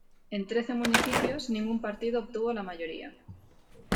En trece municipios, ningún partido obtuvo la mayoría.